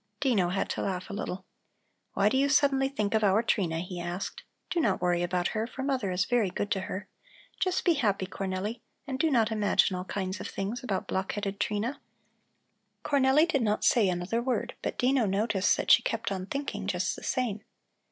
Dino had to laugh a little. "Why do you suddenly think of our Trina?" he asked. "Do not worry about her, for mother is very good to her. Just be happy, Cornelli, and do not imagine all kinds of things about block headed Trina." Cornelli did not say another word, but Dino noticed that she kept on thinking just the same.